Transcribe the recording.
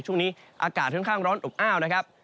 ช่วงนี้อากาศค่อนข้างร้อนอบอ้าวนะครับ